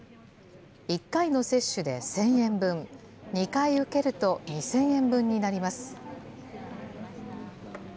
１回の接種で１０００円分、２回受けると２０００円分になります。